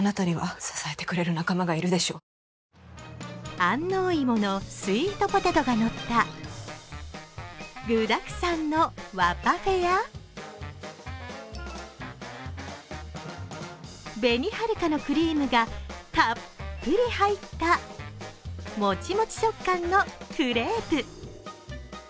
安納芋のスイートポテトがのった具だくさんの和パフェや紅はるかのクリームがたっぷり入った、もちもち食感のクレープ。